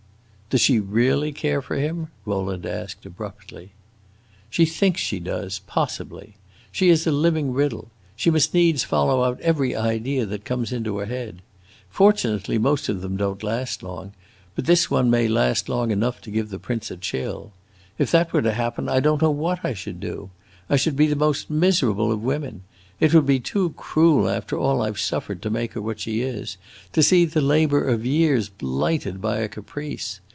"Does she really care for him?" Rowland asked, abruptly. "She thinks she does, possibly. She is a living riddle. She must needs follow out every idea that comes into her head. Fortunately, most of them don't last long; but this one may last long enough to give the prince a chill. If that were to happen, I don't know what I should do! I should be the most miserable of women. It would be too cruel, after all I 've suffered to make her what she is, to see the labor of years blighted by a caprice.